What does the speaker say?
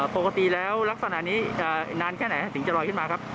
ปกติแล้วลักษณะนี้จะนานแค่ไหนถึงจะลอยขึ้นมาครับ